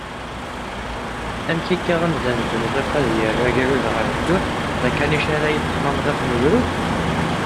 Amek akka amdan deg umḍiq ad yerr agrud ɣer dduḥ, d akanic ara yeṭṭfen amḍiq n ugrud?